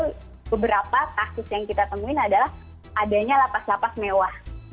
jadi itu beberapa kasus yang kita temuin adalah adanya lapas lapas mewah